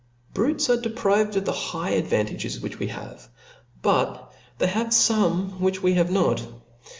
Brutes are deprived of the high ad vantages. which we have ; but they have fome which we have not.